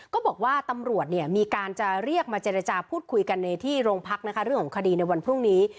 ก็บอกว่าตำรวจมีการจะเรียกมาเจรจาพูดคุยกันในที่โรงพักนะคะเรื่องของคดีในวันพรุ่งนี้